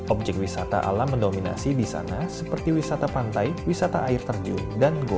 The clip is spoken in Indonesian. objek wisata alam mendominasi di sana seperti wisata pantai wisata air terjun dan goa